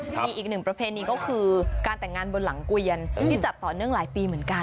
มีอีกหนึ่งประเพณีก็คือการแต่งงานบนหลังเกวียนที่จัดต่อเนื่องหลายปีเหมือนกัน